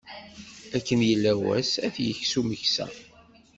Akken yella wass, ad t-iks umeksa.